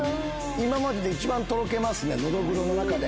今までで一番とろけますね、ノドグロの中で。